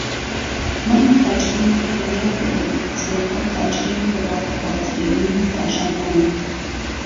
مەم و تاجدین بڕیار دەدەن کە سەرەتا تاجدین بڕواتە خوازبێنیی و پاشان مەم